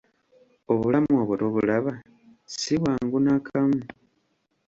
Obulamu obwo tobulaba ssi bwangu nakamu!